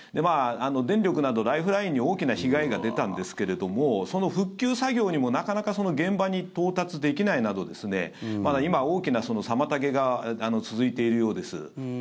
電力などライフラインに大きな被害が出たんですけれどもその復旧作業にもなかなか現場に到達できないなど今、大きな妨げが続いているようです。